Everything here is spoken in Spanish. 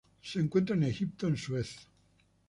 Se encuentra en Egipto en Suez.